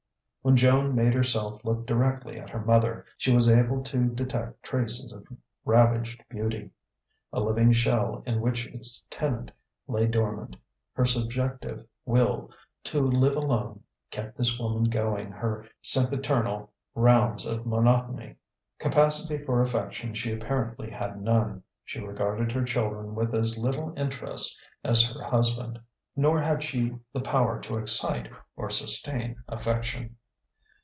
When Joan made herself look directly at her mother, she was able to detect traces of ravaged beauty. A living shell in which its tenant lay dormant, her subjective will to live alone kept this woman going her sempiternal rounds of monotony. Capacity for affection she apparently had none; she regarded her children with as little interest as her husband. Nor had she the power to excite or sustain affection.